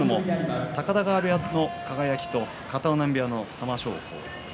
高田川部屋の輝と片男波部屋の玉正鳳。